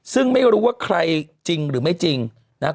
ซึ่งไม่รู้ว่าใครจริงหรือไม่จริงนะครับ